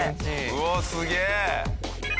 うわすげえ！